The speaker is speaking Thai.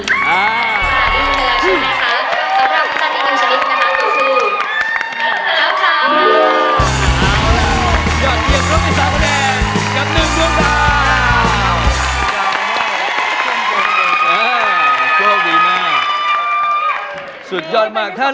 สำหรับผู้ชายที่ดูชนิดหนึ่งนะคะ